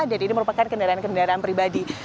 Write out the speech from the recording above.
dan ini merupakan kendaraan kendaraan pribadi